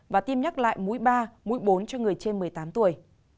và tiêm nhắc lại mũi ba mũi bốn cho người trên một mươi tám tuổi